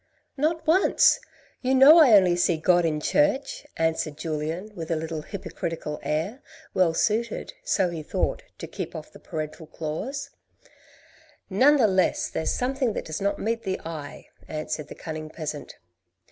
" Not once ! you know, I only see God in church," answered Julien, with a little hypocritical air, well suited, so he thought, to keep off the parental claws. " None the less there's something that does not meet the eye," answered the cunning peasant.